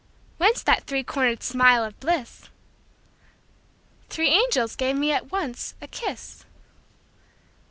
Whence that three corner'd smile of bliss? Three angels gave me at once a kiss.